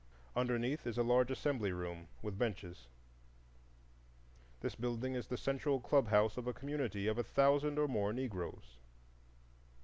Underneath is a large assembly room with benches. This building is the central club house of a community of a thousand or more Negroes.